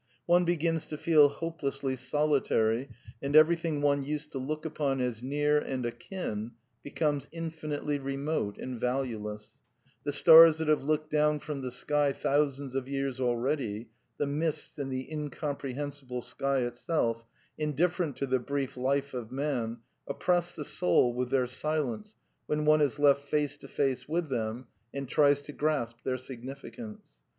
One begins to feel hopelessly solitary, and everything one used to look upon as near and akin becomes infinitely remote and value less; the stars that have looked down from the sky thousands of years already, the mists and the incom prehensible sky itself, indifferent to the brief life of man, oppress the soul with their silence when one is left face to face with them and tries to grasp their significance.